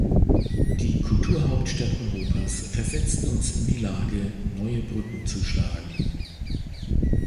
Die Kulturhauptstadt Europas versetzt uns in die Lage, neue Brücken zu schlagen.